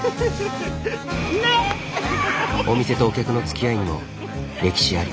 お店とお客のつきあいにも歴史あり。